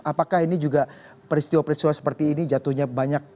apakah ini juga peristiwa peristiwa seperti ini jatuhnya banyak